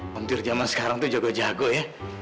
hampir zaman sekarang tuh jago jago ya